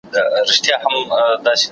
ته ولي ځواب ليکې.